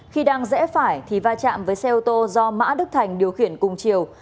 khi đang rẽ phải thì va chạm với xe ô tô do mã đức thành điều khiển cùng chiều